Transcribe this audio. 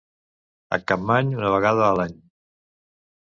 A Capmany, una vegada a l'any.